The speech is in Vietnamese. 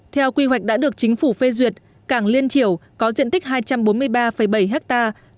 theo quy hoạch đã được chính phủ phê duyệt cảng liên triều có diện tích hai trăm bốn mươi ba bảy hectare